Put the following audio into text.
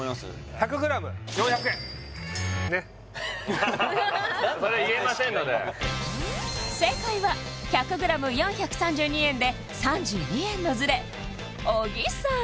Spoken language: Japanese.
１００ｇ４００円それ言えませんので正解は１００ｇ４３２円で３２円のズレ小木さん